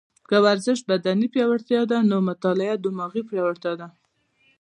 که ورزش بدني پیاوړتیا ده، نو مطاله دماغي پیاوړتیا ده